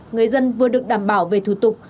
người dân vừa được đảm bảo về thủ tục